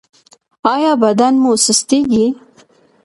ایا بدن مو سستیږي؟